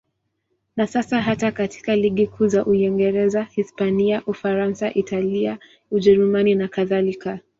Na sasa hata katika ligi kuu za Uingereza, Hispania, Ufaransa, Italia, Ujerumani nakadhalika.